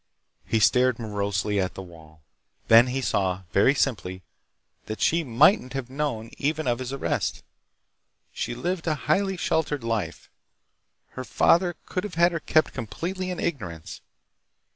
He stared morosely at the wall. Then he saw, very simply, that she mightn't have known even of his arrest. She lived a highly sheltered life. Her father could have had her kept completely in ignorance....